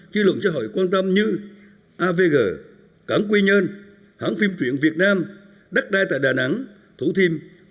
ký luận cho hội quan tâm như avg cảng quy nhơn hãng phim truyện việt việt nam đắk đai tại đà nẵng thủ thiêm v v